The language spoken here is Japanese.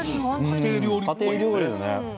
家庭料理のね。